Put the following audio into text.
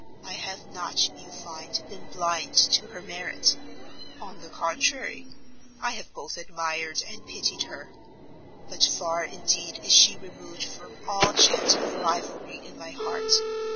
I have not, you find, been blind to her merit; on the contrary, I have both admired and pitied her. But far indeed is she removed from all chance of rivalry in my heart!